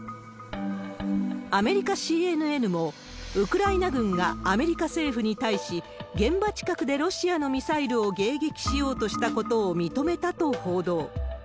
アメリカ、ＣＮＮも、ウクライナ軍がアメリカ政府に対し、現場近くでロシアのミサイルを迎撃しようとしたことを認めたと報道。